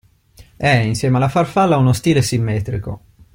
È insieme alla farfalla uno stile simmetrico.